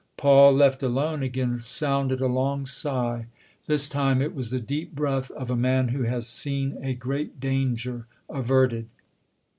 Paul, left alone, again sounded a long sigh ; this time it was the deep breath of a man who has seen a great danger averted.